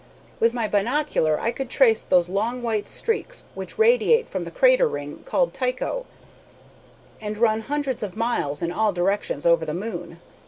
With my binocular I could trace those long white streaks which radiate from the crater ring, called 'Tycho,' and run hundreds of miles in all directions over the moon.